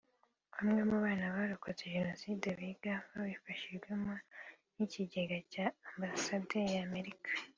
Bamwe mu bana barokotse Jenoside biga babifashijwemo n’ikigega cya Ambasade ya Amerika